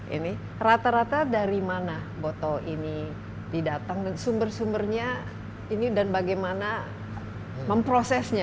ini rata rata dari mana botol ini didatang dan sumber sumbernya ini dan bagaimana memprosesnya